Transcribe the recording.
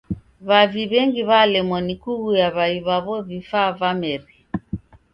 W'avi w'engi w'alemwa ni kuguya w'ai w'aw'o vifaa va meri.